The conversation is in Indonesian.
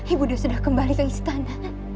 ibu dia sudah kembali ke istana